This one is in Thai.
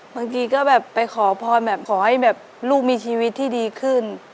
บางทีก็แบบไปขอพรแบบขอให้แบบลูกมีชีวิตที่ดีขึ้น